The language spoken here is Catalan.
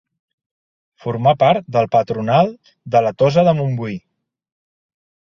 Formà part del Patronat de la Tossa de Montbui.